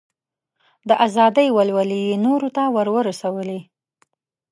د ازادۍ ولولې یې نورو ته ور ورسولې.